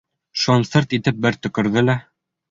Шунан сырт итеп бер төкөрҙө лә: